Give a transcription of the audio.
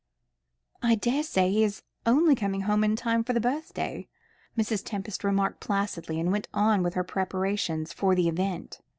"I daresay he is only coming home in time for the birthday," Mrs. Tempest remarked placidly, and went on with her preparations for that event.